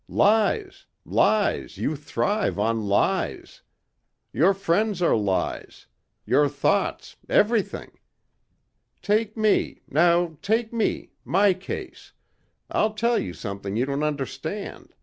Lies, lies you thrive on lies. Your friends are lies. Your thoughts, everything. Take me.... Now take me ... my case.... I'll tell you something you don't understand ...